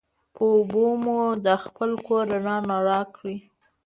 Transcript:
په اوبو مو دا خپل کور رڼا رڼا کړي